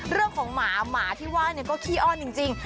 เรื่องของหมาหมาที่ว่าก็ขี้อ้อนจริง